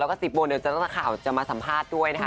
แล้วก็๑๐โมงเดี๋ยวนักข่าวจะมาสัมภาษณ์ด้วยนะคะ